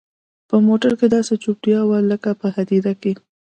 په موټر کښې داسې چوپتيا وه لكه په هديره کښې.